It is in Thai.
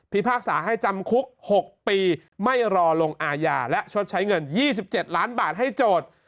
พากษาให้จำคุก๖ปีไม่รอลงอาญาและชดใช้เงิน๒๗ล้านบาทให้โจทย์